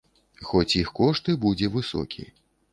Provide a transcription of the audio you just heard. Хоць іх кошт і будзе высокі.